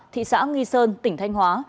thị xã nghi sơn tỉnh thanh hóa